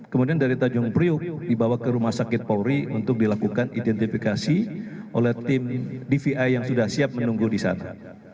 kemudian dari tanjung priuk dibawa ke rumah sakit polri untuk dilakukan identifikasi oleh tim dvi yang sudah siap menunggu di sana